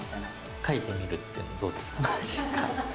描いてみるっていうのはどうまじっすか。